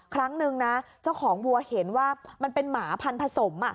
ครั้งนึงนะเจ้าของวัวเห็นว่ามันเป็นหมาพันธสม